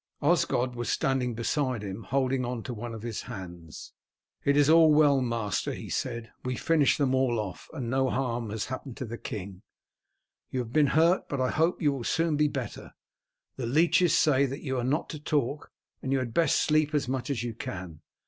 Osgod was standing beside him holding one of his hands. "It is all well, master," he said. "We finished them all off, and no harm has happened to the king. You have been hurt, but I hope you will soon be better. The leeches say that you are not to talk, and you had best sleep as much as you can.